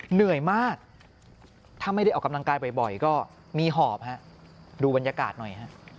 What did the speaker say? เหนื่อยมากถ้าไม่ได้ออกกำลังกายบ่อยก็มีหอบฮะดูบรรยากาศหน่อยฮะ